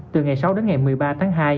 từ ngày sáu đến ngày một mươi ba tháng hai